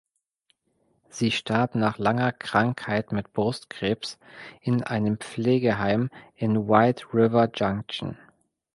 Sie starb nach langer Krankheit mit Brustkrebs in einem Pflegeheim in White River Junction.